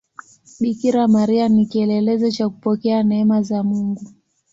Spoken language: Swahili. Bikira Maria ni kielelezo cha kupokea neema za Mungu.